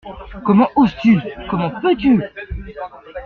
Comment oses-tu, comment peux-tu?